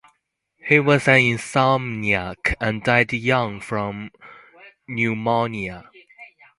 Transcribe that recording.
He was an insomniac and died young from pneumonia.